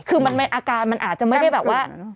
คืออาการมันอาจจะไม่ได้แบบว่า